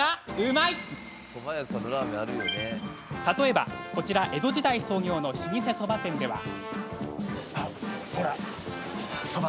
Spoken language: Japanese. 例えば、こちら江戸時代創業の老舗そば店では。